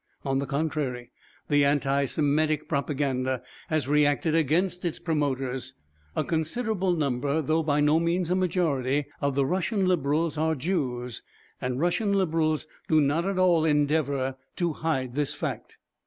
On the contrary, the anti Semitic propaganda has reacted against its promoters. A considerable number, though by no means a majority, of the Russian Liberals are Jews, and Russian Liberals do not at all endeavour to hide this fact.